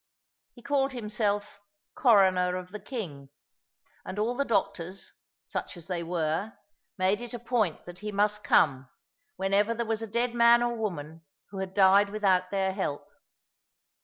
He called himself "Coroner of the King;" and all the doctors, such as they were, made it a point that he must come, whenever there was a dead man or woman who had died without their help.